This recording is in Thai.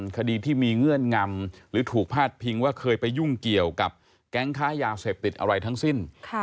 คดีที่มีเงื่อนงำหรือถูกพาดพิงว่าเคยไปยุ่งเกี่ยวกับแก๊งค้ายาเสพติดอะไรทั้งสิ้น